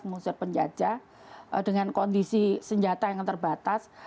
mengusir penjajah dengan kondisi senjata yang terbatas